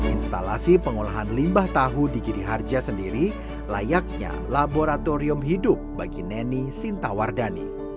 instalasi pengolahan limbah tahu di giriharja sendiri layaknya laboratorium hidup bagi neni sintawardani